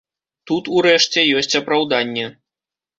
Тут, урэшце, ёсць апраўданне.